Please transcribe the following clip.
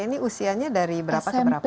ini usianya dari berapa ke berapa